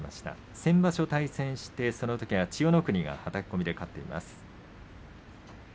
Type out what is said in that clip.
先場所対戦して、そのときは千代の国がはたき込みで勝っています。